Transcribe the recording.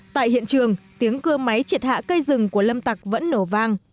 tại hiện trường tiếng cưa máy triệt hạ cây rừng của lâm tạc vẫn nổ vang